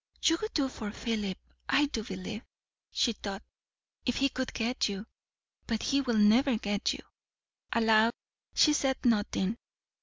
"You would do for Philip, I do believe," she thought, "if he could get you; but he will never get you." Aloud she said nothing.